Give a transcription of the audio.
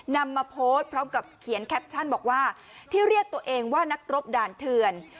นำมาโพสต์พร้อมกับเขียนแคปชั่นบอกว่าที่เรียกตัวเองว่านักรบด่านเถื่อน